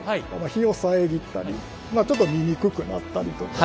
日を遮ったりちょっと見にくくなったりとか。